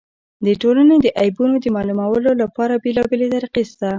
د ټولني د عیبونو د معلومولو له پاره بېلابېلې طریقي سته.